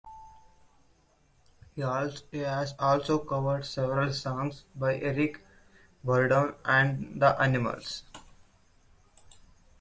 He has also covered several songs by Eric Burdon and The Animals.